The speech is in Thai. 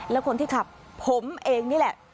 แล้วคนที่ขับผมเองนี่แหละ